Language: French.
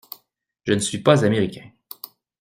Je ne suis pas Américain.